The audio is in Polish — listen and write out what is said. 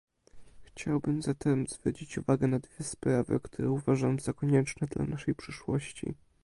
Chciałbym zatem zwrócić uwagę na dwie sprawy, które uważam za konieczne dla naszej przyszłości